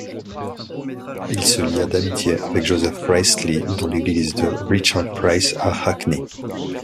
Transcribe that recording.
Il se lia d'amitié avec Joseph Priestley dans l'Église de Richard Price à Hackney.